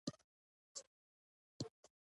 دوی د ریل له لارې کډوال راوستل.